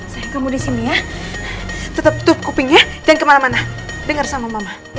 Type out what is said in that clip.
sayang kamu di sini ya tetep tutup kupingnya jangan kemana mana dengar sama mama ya